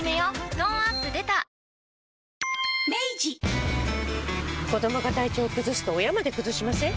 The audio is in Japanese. トーンアップ出た子どもが体調崩すと親まで崩しません？